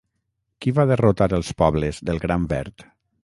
Qui va derrotar els pobles del Gran Verd?